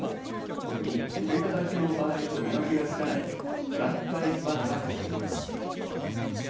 特にぬれただけの場合と見分けがつかないブラックアイスバーンは危険です。